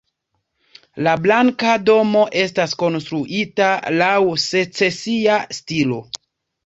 La Blanka Domo estas konstruita laŭ secesia stilo.